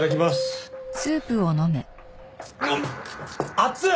熱い！